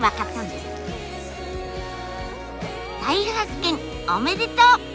大発見おめでとう！